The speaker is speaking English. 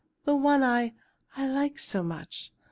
The one I I like so much!"